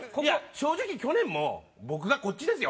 正直去年も僕がこっちですよ